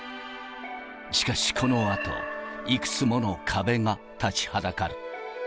しかしこのあと、いくつもの壁が立ちはだかる。